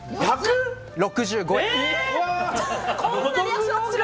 １６５円。